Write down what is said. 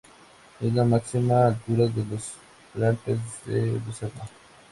Es la máxima altura de los Prealpes de Lucerna.